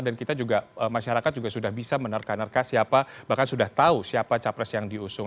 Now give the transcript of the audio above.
dan kita juga masyarakat juga sudah bisa menerka nerka siapa bahkan sudah tahu siapa capres yang diusung